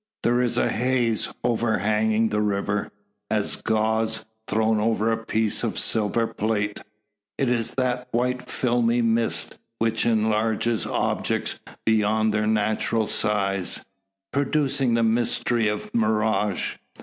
There is a haze overhanging the river, as gauze thrown over a piece of silver plate. It is that white filmy mist which enlarges objects beyond their natural size, producing the mystery of mirage.